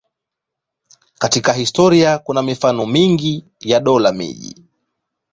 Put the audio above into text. Katika historia kuna mifano mingi ya dola-miji.